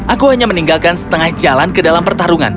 aku hanya meninggalkan setengah jalan ke dalam pertarungan